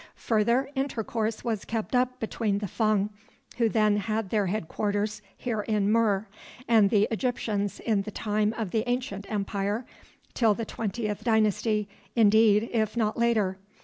Further, intercourse was kept up between the Fung, who then had their headquarters here in Mur, and the Egyptians in the time of the ancient empire, till the Twentieth Dynasty, indeed, if not later.